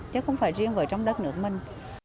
chứ không phải riêng với trong đất nước mình